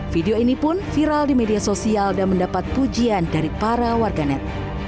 video ini pun viral di media sosial dan mendapat pujian dari para warganet